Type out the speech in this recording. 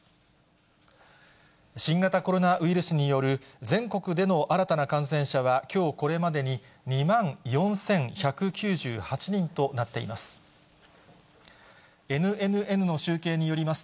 新型コロナウイルスによる全国での新たな感染者は、きょうこれまでに２万４１９８人となっています。